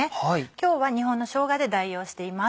今日は日本のしょうがで代用しています。